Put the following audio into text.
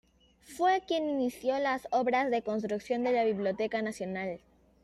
Fue quien inició las obras de construcción de la Biblioteca Nacional.